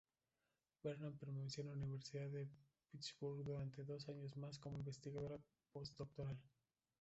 Berman permaneció en la Universidad de Pittsburgh durante dos años más como investigadora postdoctoral.